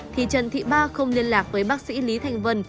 thì trần thị ba không liên lạc với bác sĩ lý thành vân